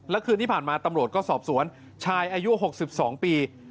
และคืนที่ผ่านมาตำรวจก็สอบสวนชายอายุ๖๒ปี